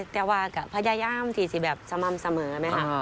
แต่ว่าก็พยายามที่จะแบบสม่ำเสมอนะครับ